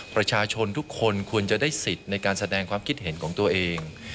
ประชาชนทุกคนควรจะได้สิทธิ์ในการแสดงความคิดเห็นของตัวเอง